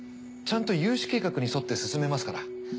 ちゃんと融資計画に沿って進めますから。